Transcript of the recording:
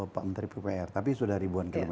pak menteri ppr